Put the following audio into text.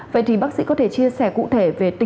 vậy thì bác sĩ có thể chia sẻ cụ thể